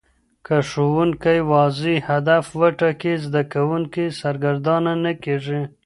که ښوونکی واضح هدف وټاکي، زده کوونکي سرګردانه نه کېږي.